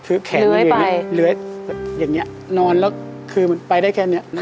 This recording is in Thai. คือแขนเหลืองอย่างนี้นอนแล้วคือมันไปได้แค่นี้